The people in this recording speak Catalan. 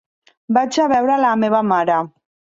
Vaig a veure la meva mare.